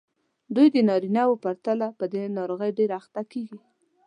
دوی د نارینه وو په پرتله په دې ناروغۍ ډېرې اخته کېږي.